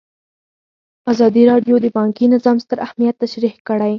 ازادي راډیو د بانکي نظام ستر اهميت تشریح کړی.